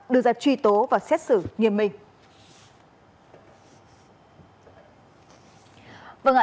đưa ra truy tố và xét xử nghiêm minh